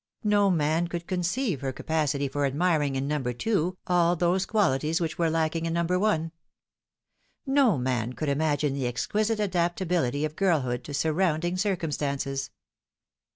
No man could conceive her capacity for admiring in Number Two all those qualities which were lacking T 290 The Fatal Three. in Number One. No man could imagine the exquisite adapt ability of girlhood to surrounding circumstances.